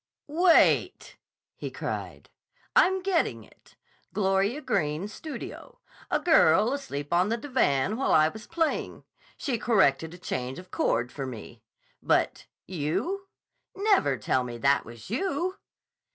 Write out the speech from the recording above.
"Wait!" he cried. "I'm getting it! Gloria Greene's studio. A girl asleep on the divan, while I was playing. She corrected a change of chord for me. But—you! Never tell me that was you!"